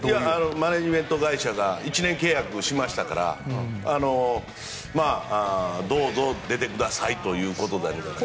マネージメント会社が１年契約をしましたからどうぞ、出てくださいということなんじゃないですか。